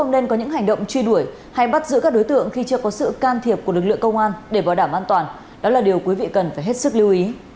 để bảo đảm an toàn đó là điều quý vị cần phải hết sức lưu ý